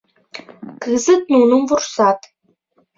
Кызыт нуным вурсат.